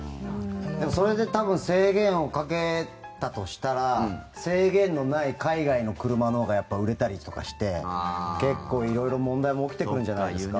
それで制限をかけたとしたら制限のない海外の車のほうがやっぱり売れたりとかして結構、色々問題も起きてくるんじゃないですか？